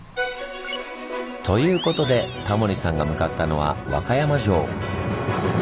ということでタモリさんが向かったのは和歌山城。